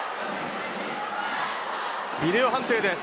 ビデオ判定です。